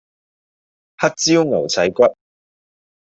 黑椒牛仔骨